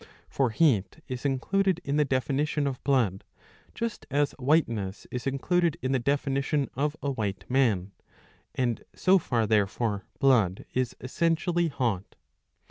For heat is included in the definition of blood, just as whiteness is included in the definition of a white man, and so far therefore blood is essentially hot.